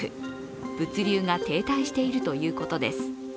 物流が停滞しているということです。